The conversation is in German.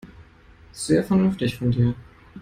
Sehr vernünftig von dir.